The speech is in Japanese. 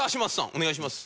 お願いします。